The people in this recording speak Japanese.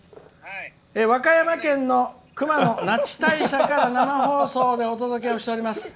和歌山県の熊野那智大社から生放送でお届けをしております。